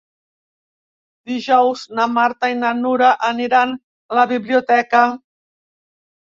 Dijous na Marta i na Nura aniran a la biblioteca.